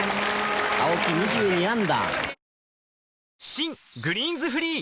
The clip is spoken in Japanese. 新「グリーンズフリー」